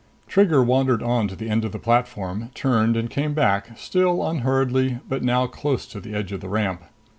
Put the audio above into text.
Trigger wandered on to the end of the platform, turned and came back, still unhurriedly but now close to the edge of the ramp.